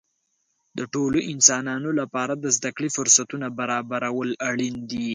د ټولو انسانانو لپاره د زده کړې فرصتونه برابرول اړین دي.